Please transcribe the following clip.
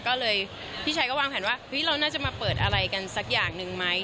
ก็เลยพี่ชัยก็วางแผนว่าเราน่าจะมาเปิดอะไรกันสักอย่างหนึ่งไหม